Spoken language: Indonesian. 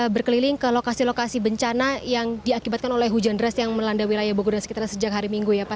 berkeliling ke lokasi lokasi bencana yang diakibatkan oleh hujan deras yang melanda wilayah bogor dan sekitar sejak hari minggu ya pak